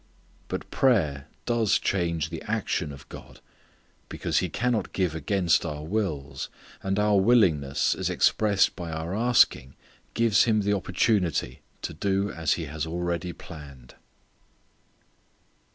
But prayer does change the action of God. Because He cannot give against our wills, and our willingness as expressed by our asking gives Him the opportunity to do as He has already planned.